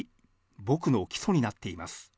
僕の基礎になっています。